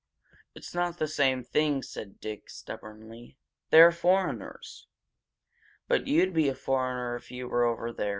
"It's not the same thing," said Dick, stubbornly. "They're foreigners." "But you'd be a foreigner if you were over there!"